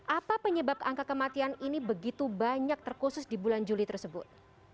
apa penyebab angka kematian ini begitu banyak terkhusus di bulan juli tersebut